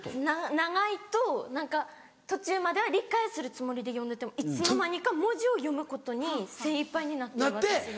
長いと何か途中までは理解するつもりで読んでてもいつの間にか文字を読むことに精いっぱいになってる私がいる。